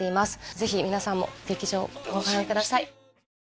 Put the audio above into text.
ぜひ皆さんも劇場でご覧ください